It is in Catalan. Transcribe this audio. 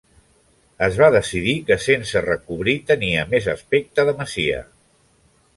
Es va decidir que sense recobrir tenia més aspecte de masia.